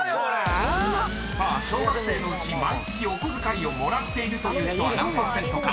［小学生のうち毎月お小遣いをもらっているという人は何％か］